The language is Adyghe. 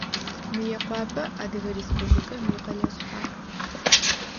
Мыекъуапэ Адыгэ Республикэм икъэлэ шъхьаӏ.